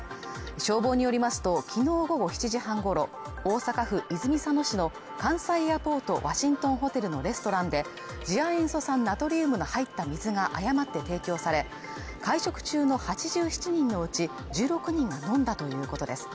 消防によりますときのう午後７時半ごろ、大阪府泉佐野市の関西エアポートワシントンホテルのレストランで次亜塩素酸ナトリウムの入った水が誤って提供され、会食中の８７人のうち１６人が飲んだということです。